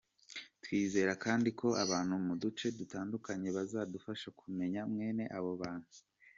Twizera kandi ko abantu mu duce dutandukanye bazadufasha kumenya mwene abo bantu.